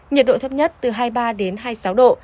nhiệt độ thấp nhất từ hai mươi ba hai mươi sáu độ